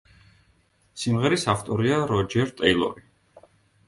სიმღერის ავტორია როჯერ ტეილორი.